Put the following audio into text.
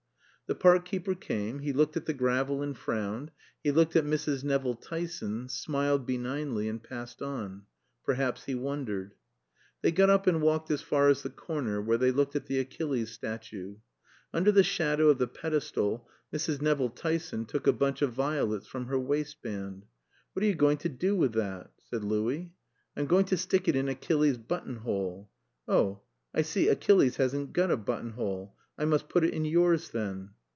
The park keeper came, he looked at the gravel and frowned, he looked at Mrs. Nevill Tyson, smiled benignly, and passed on. Perhaps he wondered. They got up and walked as far as the Corner, where they looked at the Achilles statue. Under the shadow of the pedestal Mrs. Nevill Tyson took a bunch of violets from her waistband. "What are you going to do with that?" said Louis. "I'm going to stick it in Achilles' buttonhole. Oh, I see, Achilles hasn't got a buttonhole. I must put it in yours then."